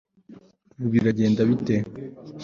ubu bigenda bite